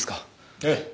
ええ。